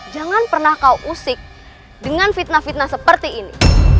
jangan pernah kau usik dengan fitnah fitnah seperti ini